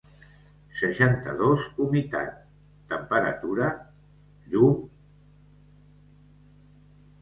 Seixanta-dos humitat, temperatura, llum...